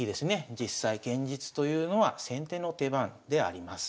実際現実というのは先手の手番であります。